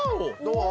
どう？